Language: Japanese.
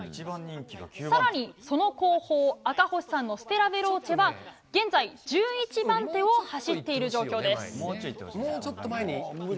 更にその後方、赤星さんのステラヴェローチェは現在１１番手を走っている状況です。